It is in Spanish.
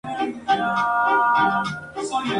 Las tierras fueron descuidadas.